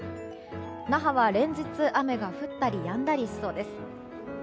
那覇は連日、雨が降ったりやんだりしそうです。